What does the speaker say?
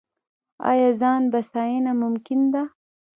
آیا ځان بسیاینه ممکن ده؟